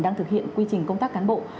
đang thực hiện quy trình công tác cán bộ